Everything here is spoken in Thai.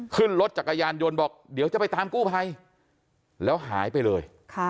ขึ้นรถจักรยานยนต์บอกเดี๋ยวจะไปตามกู้ภัยแล้วหายไปเลย